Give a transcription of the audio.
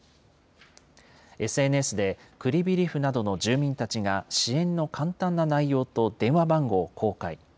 ＳＮＳで、クリビリフなどの住民たちが支援の簡単な内容と電話番号を公開。